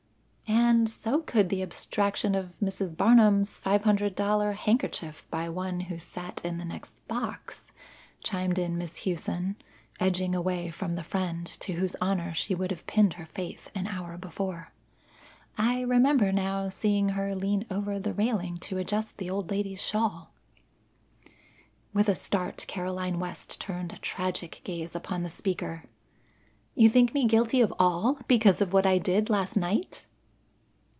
"And so could the abstraction of Mrs. Barnum's five hundred dollar handkerchief by one who sat in the next box," chimed in Miss Hughson, edging away from the friend to whose honour she would have pinned her faith an hour before. "I remember now seeing her lean over the railing to adjust the old lady's shawl." With a start, Caroline West turned a tragic gaze upon the speaker. "You think me guilty of all because of what I did last night?"